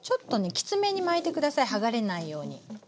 きつめに巻いて下さい剥がれないように。